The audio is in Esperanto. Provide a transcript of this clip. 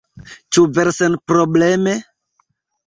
Ĉu vere senprobleme?